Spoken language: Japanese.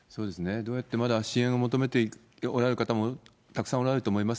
どうやって、支援を求めておられる方もたくさんおられると思います。